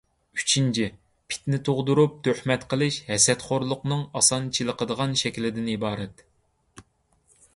ئۈچىنچى، پىتنە تۇغدۇرۇپ، تۆھمەت قىلىش ھەسەتخورلۇقنىڭ ئاسان چېلىقىدىغان شەكلىدىن ئىبارەت.